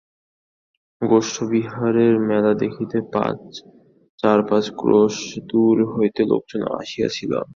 গোষ্ঠবিহারের মেলা দেখিতে চার-পাঁচ ক্রোশ দূর হইতেও লোকজন আসিয়াছিল।